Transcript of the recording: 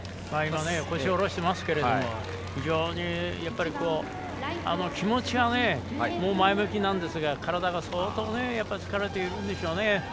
腰を下ろしてましたけど非常に気持ちは前向きなんですが体が相当疲れているんでしょうね。